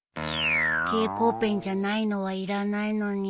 蛍光ペンじゃないのはいらないのに